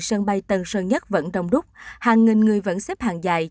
sân bay tân sơn nhất vẫn đông đúc hàng nghìn người vẫn xếp hàng dài